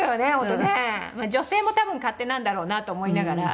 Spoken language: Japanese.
女性も多分勝手なんだろうなと思いながら。